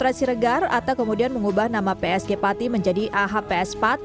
liga dua dan kemudian berganti nama menjadi rans cilegon fc tersebut